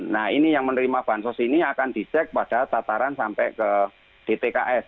nah ini yang menerima bansos ini akan dicek pada tataran sampai ke dtks